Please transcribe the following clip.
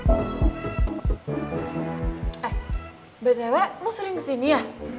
eh betta lo sering kesini ya